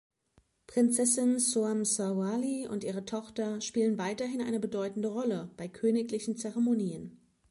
Prinzessin Soamsawali und ihre Tochter spielen weiterhin eine bedeutende Rolle bei königlichen Zeremonien.